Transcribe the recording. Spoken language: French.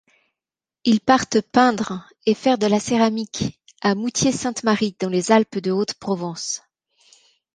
Ils partent peindre et faire de la céramique à Moustiers-Sainte-Marie, dans les Alpes-de-Haute-Provence.